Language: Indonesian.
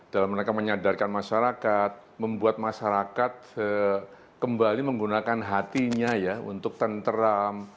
dalam mereka menyadarkan masyarakat membuat masyarakat kembali menggunakan hatinya ya untuk tenteram